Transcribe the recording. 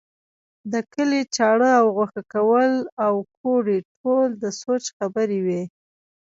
د کلي چاړه او غوښه کول او کوډې ټول د سوچ خبرې وې.